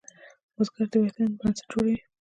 بزګر د وطن بنسټ جوړوي